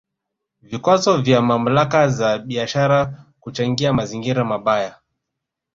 Vikwazo vya mamlaka za biashara kuchangia mazingira mabaya